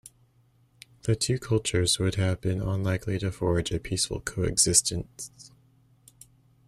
The two cultures would have been unlikely to forge a peaceful co-existence.